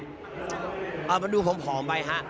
มันมันดูพ้มไป